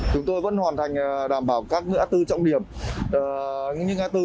chúng tôi sẽ truy cập vào lúc sau